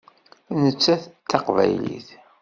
Nettat d Taqbaylit.